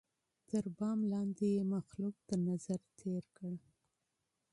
تر بام لاندي یې مخلوق تر نظر تېر کړ